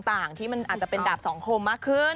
โปรเชียลต่างที่มันอาจจะเป็นดาบสองโคมมากขึ้น